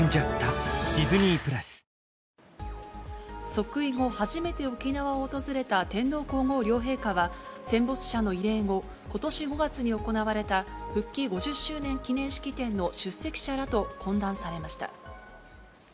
即位後初めて沖縄を訪れた天皇皇后両陛下は、戦没者の慰霊後、ことし５月に行われた復帰５０周年記念式典の出席者らと懇談されました。